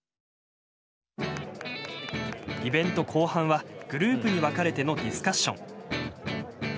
イベント後半はグループに分かれてのディスカッション。